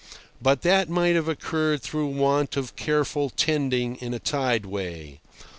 But that might have occurred through want of careful tending in a tideway.